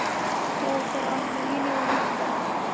هو تر ازموینې وروسته.